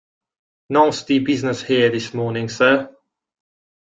Nasty business here this morning, sir.